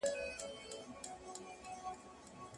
او یوازي به اوسیږي